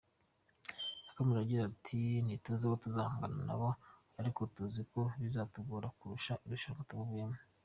Yakomeje agira ati “Ntituzi abo tuzahangana nabo ariko tuzi ko bizatugora kurusha irushanwa tuvuyemo.